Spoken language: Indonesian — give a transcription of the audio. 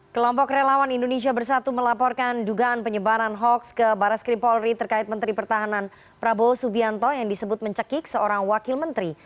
kelompok relawan indonesia bersatu melaporkan dugaan penyebaran hoax ke baris krim polri terkait menteri pertahanan prabowo subianto yang disebut mencekik seorang wakil menteri